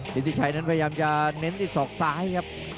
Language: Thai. สิทธิชัยนั้นพยายามจะเน้นที่ศอกซ้ายครับ